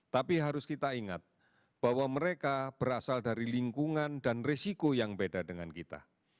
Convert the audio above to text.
tapi harus kita ingat bahwa mereka berasal dari lingkungan dan risiko yang beda dengan kita